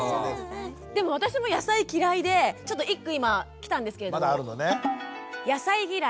でも私も野菜嫌いでちょっと一句今来たんですけれども。